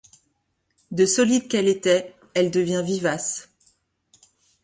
De solide qu'elle était elle devient vivace.